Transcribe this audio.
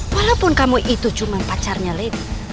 walaupun kamu itu cuma pacarnya lady